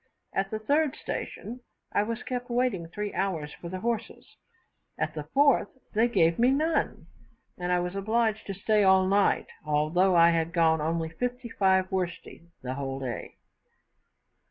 At the third station I was kept waiting three hours for the horses; at the fourth they gave me none, and I was obliged to stay all night, although I had gone only fifty five wersti the whole day.